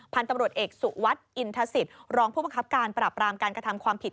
พันธุ์ตำรวจเอกสุวัสดิ์อินทศิษย์รองผู้บังคับการปรับรามการกระทำความผิด